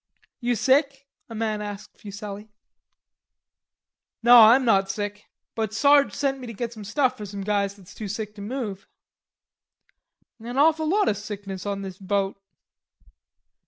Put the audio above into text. "You sick?" a man asked Fuselli. "Naw, I'm not sick; but Sarge sent me to get some stuff for some guys that's too sick to move." "An awful lot o' sickness on this boat."